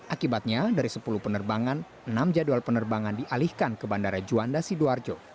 akibatnya dari sepuluh penerbangan enam jadwal penerbangan dialihkan ke bandara juanda sidoarjo